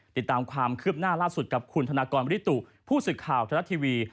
ติดตามความคืบหน้าล่าสุดกับคุณธนากรบริตุผู้สื่อข่าวทะลัดทีวี